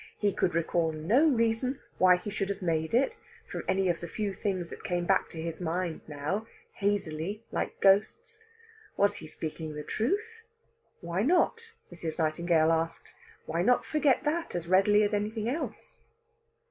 He could recall no reason why he should have made it, from any of the few things that came back to his mind now hazily, like ghosts. Was he speaking the truth? Why not? Mrs. Nightingale asked. Why not forget that as readily as anything else?